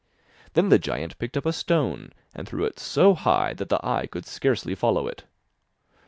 Then the giant picked up a stone and threw it so high that the eye could scarcely follow it.